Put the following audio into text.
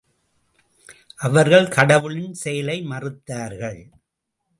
அவர்கள் கடவுளின் செயலை மறுத்தார்கள்.